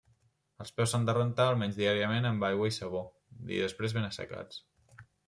Els peus s'han de rentar almenys diàriament amb aigua i sabó, i després ben assecats.